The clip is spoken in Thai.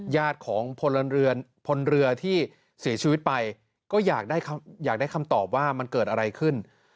ญาติของพลเรือนพลเรือที่เสียชีวิตไปก็อยากได้คำตอบว่ามันเกิดอะไรขึ้น